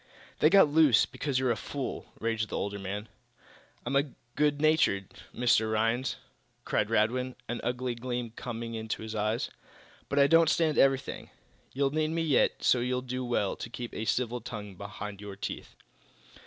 "They got loose because you're a fool!" raged the older man. "I'm good natured, Mr. Rhinds" cried Radwin, an ugly gleam coming into his eyes, "but I don't stand everything. You'll need me yet so you'll do well to keep a civil tongue behind your teeth!"